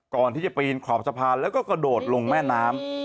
ก่อนที่จะปีนขอบสะพานแล้วก็กระโดดลงแม่น้ำ